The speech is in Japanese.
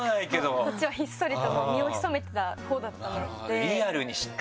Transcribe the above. こっちはひっそりと身を潜めてたほうだったので。